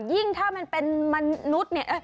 ยิ่งถ้ามันเป็นมนุษย์เนี่ย